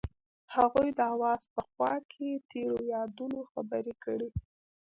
هغوی د اواز په خوا کې تیرو یادونو خبرې کړې.